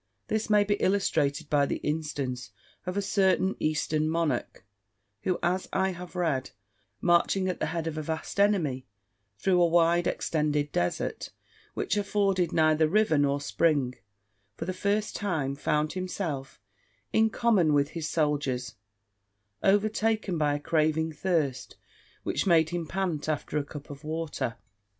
This may be illustrated by the instance of a certain eastern monarch, who, as I have read, marching at the head of a vast army, through a wide extended desert, which afforded neither river nor spring, for the first time, found himself (in common with his soldiers) overtaken by a craving thirst, which made him pant after a cup of water.